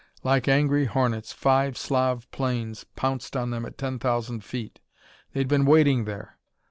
Like angry hornets five Slav planes pounced on them at ten thousand feet. They'd been waiting there!